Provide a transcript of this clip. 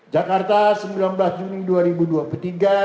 jakarta sembilan belas juni dua ribu dua puluh tiga